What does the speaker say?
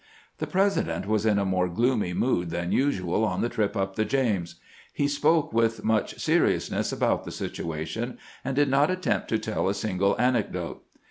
The President was in a more gloomy mood than usual on the trip up the James. He spoke with much serious ness about the situation, and did not attempt to tell a single anecdote.